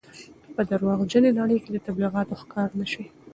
په درواغجنې نړۍ کې د تبلیغاتو ښکار نه شئ.